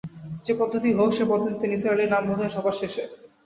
যে- পদ্ধতিই হোক, সেই পদ্ধতিতে নিসার আলির নাম বোধহয় সবার শেষে।